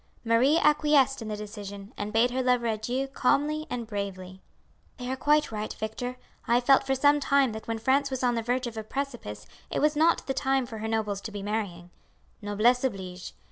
Marie acquiesced in the decision, and bade her lover adieu calmly and bravely. "They are quite right, Victor; I have felt for some time that when France was on the verge of a precipice it was not the time for her nobles to be marrying. Noblesse oblige.